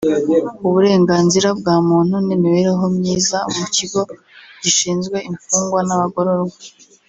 uburenganzira bwa muntu n’imibereho myiza mu kigo gishizwe imfungwa n’abagororwa